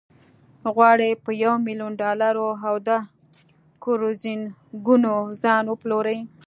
غواړي په یو میلیون ډالرو او دوه کروزینګونو ځان وپلوري.